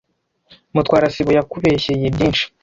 Mutwara sibo yakubeshyeye byinshi.